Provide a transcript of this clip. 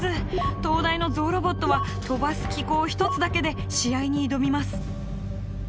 東大のゾウロボットは飛ばす機構１つだけで試合に挑みます。